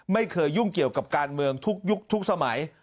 ไม่เคยยุ่งเกี่ยวกับการเมืองทุกยุคทุกสมัย